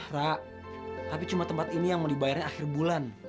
rak tapi cuma tempat ini yang mau dibayarnya akhir bulan